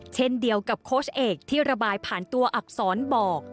เช่นเดียวกับโค้ชเอกที่ระบายผ่านตัวอักษรบอก